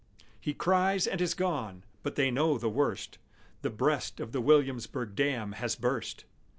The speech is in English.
_" He cries and is gone, but they know the worst, The breast of the Williamsburg dam has burst!